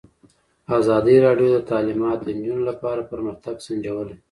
ازادي راډیو د تعلیمات د نجونو لپاره پرمختګ سنجولی.